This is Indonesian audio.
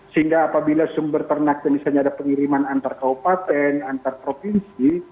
sehingga apabila sumber ternaknya misalnya ada pengiriman antar kaupaten antar provinsi